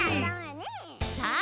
さあ